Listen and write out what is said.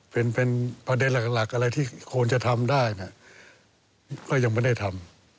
เป็นประเด็นหลักอะไรที่ควรจะทำได้เนี่ยก็ยังไม่ได้ทำ